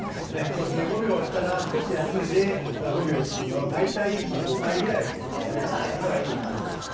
そうですね５秒押したら少し休んでまた５秒押すっていうのを大体５回ぐらい繰り返すのがいいと思います。